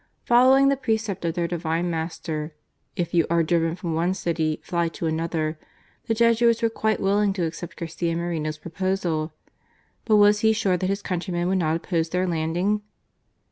Following the precept of their Divine Master^ " If you are driven from one city fly to another," the Jesuits were quite willing to accept Garcia Moreno's proposal; but was he sure that his countrymen would not oppose their landing